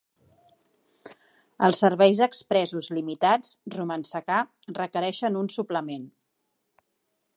Els serveis expressos limitats "Romancecar" requereixen un suplement.